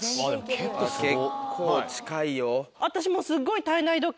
結構近いよ。